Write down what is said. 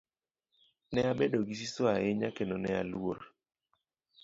Ne abedo gi siso ahinya kendo ne aluor.